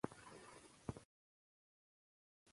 چي ټولي برخي مخکي له مخکي مړې دي نو ټولي را اخلي او ځي.